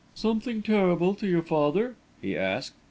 "Something terrible to your father?" he asked.